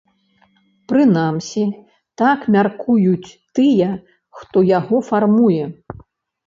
Прынамсі, так мяркуюць тыя, хто яго фармуе.